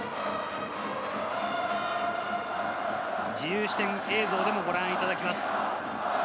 自由視点映像でもご覧いただきます。